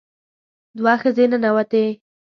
دوه ښځې ننوتې.